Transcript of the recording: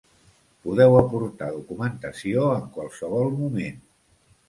Podeu aportar documentació en qualsevol moment.